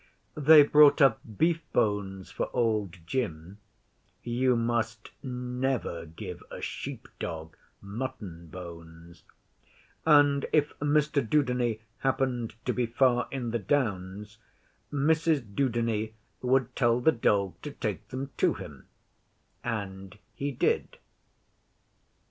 They brought up beef bones for Old Jim (you must never give a sheep dog mutton bones), and if Mr Dudeney happened to be far in the Downs, Mrs Dudeney would tell the dog to take them to him, and he did.